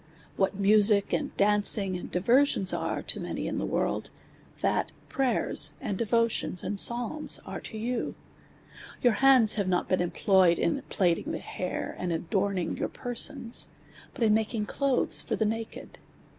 \\ hat music, iind dancini;', and diversions are to many in the world, that prayers, and devotions, and psalms are to you. ^ i»ur IkmuIh have not been employed in plait in<^' the hair, and udornin"; your persons ; but in nud\in<; clotlu's for the naked.